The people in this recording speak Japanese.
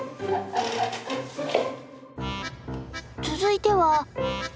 続いては。